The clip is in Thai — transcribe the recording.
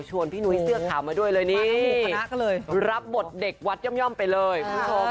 ชวนพี่นุ้ยเสื้อข่าวมาด้วยเลยนี่รับบทเด็กวัดย่อมไปเลยคุณผู้ชม